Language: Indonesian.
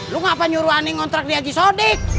lu ngapa nyuruh ani ngontrak di haji sodik